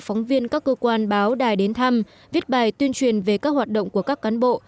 phóng viên các cơ quan báo đài đến thăm viết bài tuyên truyền về các hoạt động của các cán bộ